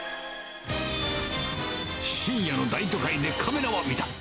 深夜の大都会でカメラは見た。